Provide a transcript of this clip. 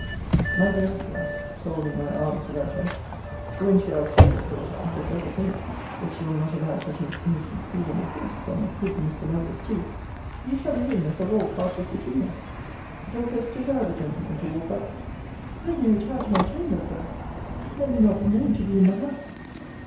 My dearest life, folding my arms about her, [when she asks favours, thought I, the devil's in it, if she will not allow such an innocent freedom as this, from good Mr. Lovelace too,] you shall be witness of all passes between us. Dorcas, desire the gentleman to walk up. Let me retire to my chamber first! Let me not be known to be in the house!